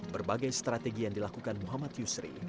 berbagai strategi yang dilakukan muhammad yusri